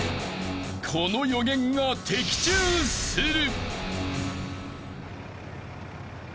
［この予言が的中する］